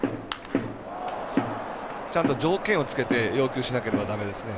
ちゃんと条件をつけて要求しなければだめですね。